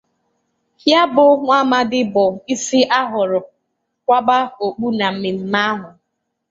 ya bụ nwa amadi bụ isi a hụrụ kwaba okpu na mmemme ahụ